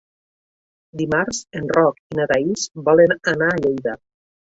Dimarts en Roc i na Thaís volen anar a Lleida.